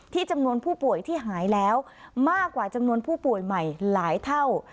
จำนวนผู้ป่วยที่หายแล้วมากกว่าจำนวนผู้ป่วยใหม่หลายเท่า